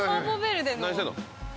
何してんの。